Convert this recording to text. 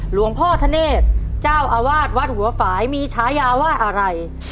หลวงพ่อธเนธเจ้าอาวาสวัดหัวฝ่ายมีฉายาว่าอะไร